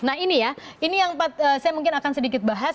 nah ini ya ini yang saya mungkin akan sedikit bahas